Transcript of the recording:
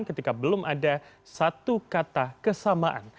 ketika belum ada satu kata kesamaan